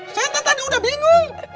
saya kan tadi udah bingung